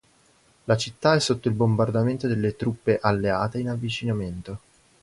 La città è sotto il bombardamento delle truppe "Alleate" in avvicinamento.